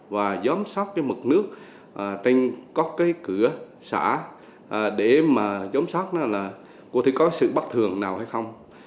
và giám sát mực nước trên các cửa xã để giám sát có sự bắt thường nào hay không